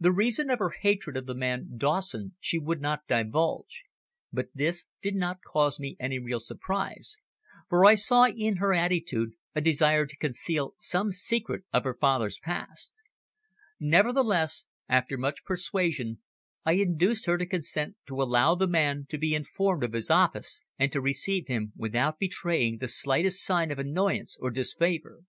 The reason of her hatred of the man Dawson she would not divulge, but this did not cause me any real surprise, for I saw in her attitude a desire to conceal some secret of her father's past. Nevertheless, after much persuasion, I induced her to consent to allow the man to be informed of his office, and to receive him without betraying the slightest sign of annoyance or disfavour.